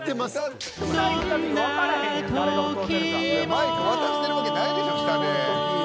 マイク渡してるわけないでしょ下で。